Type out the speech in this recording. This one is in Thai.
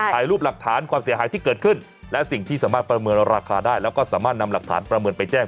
ถ่ายรูปหลักฐานความเสียหายที่เกิดขึ้นและสิ่งที่สามารถประเมินราคาได้แล้วก็สามารถนำหลักฐานประเมินไปแจ้ง